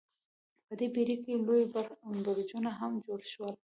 په دې پیړۍ کې لوی برجونه هم جوړ شول.